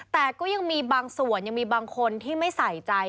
แต่ก็ยังมีบางส่วนยังมีบางคนที่ไม่ใส่ใจ